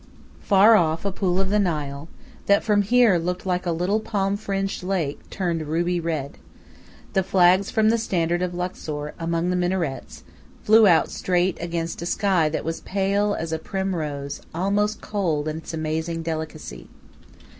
Far off a pool of the Nile, that from here looked like a little palm fringed lake, turned ruby red. The flags from the standard of Luxor, among the minarets, flew out straight against a sky that was pale as a primrose almost cold in its amazing delicacy.